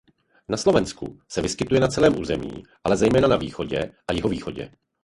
Na Slovensku se vyskytuje na celém území ale zejména na východě a jihovýchodě.